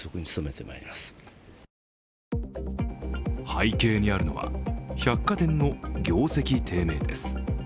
背景にあるのは、百貨店の業績低迷です。